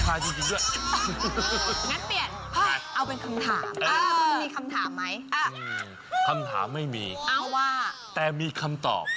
งั้นเปลี่ยนเอาเป็นคำถามมีคำถามไหมคำถามไม่มีแต่มีคำตอบ